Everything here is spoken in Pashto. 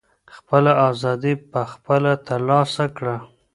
خپله ازادي په خپله ترلاسه کړه.